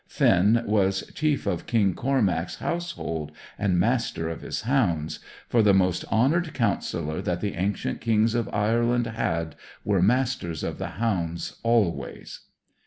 Finn was chief of King Cormac's household and master of his hounds; for the most honoured counsellor that the ancient Kings of Ireland had were masters of the hounds always.